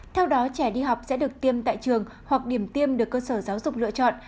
theo đó trẻ đi học sẽ được tiêm tại trường hoặc điểm tiêm được cơ sở giáo dục lựa chọn